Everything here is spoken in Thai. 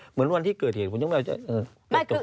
เหมือนวันที่เกิดเหตุผมจะไม่เอาใจใส